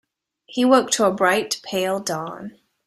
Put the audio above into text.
He woke to a bright, pale dawn.